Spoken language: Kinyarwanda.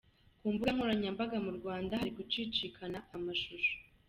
Ku mbuga nkoranyamabaga mu Rwanda hari gucicikana amashusho